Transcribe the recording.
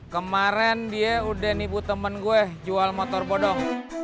kemaren dia udah nipu temen gue jual motor bodoh